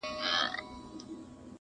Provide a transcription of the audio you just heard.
• په ګردش کي زما د عمر فیصلې دي,